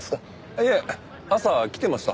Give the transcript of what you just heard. いえ朝来てました。